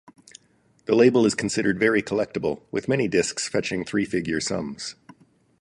The label is considered very collectable, with many discs fetching three-figure sums.